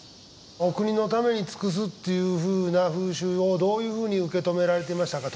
お国のために尽くすっていうふうな風習をどういうふうに受け止められていましたか？